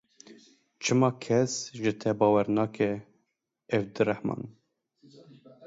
Çima kes ji te bawer nake Evdirehman?